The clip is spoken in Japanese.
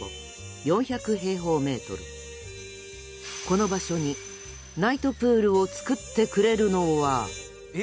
この場所にナイトプールを造ってくれるのは。